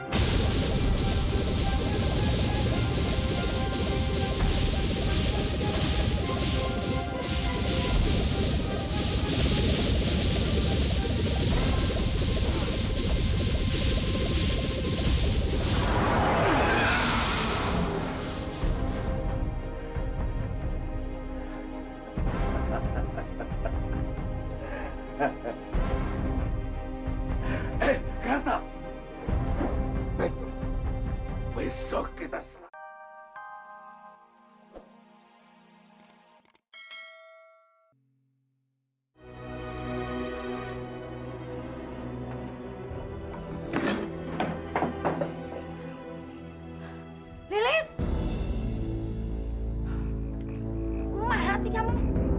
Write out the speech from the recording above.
aku mahakasih kamu